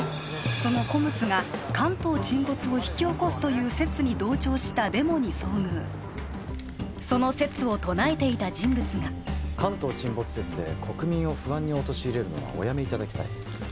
そのＣＯＭＳが関東沈没を引き起こすという説に同調したデモに遭遇その説を唱えていた人物が関東沈没説で国民を不安に陥れるのはおやめいただきたい